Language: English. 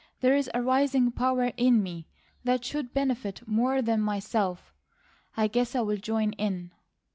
There is a rising power in me that should benefit more than myself. I guess I'll just join in."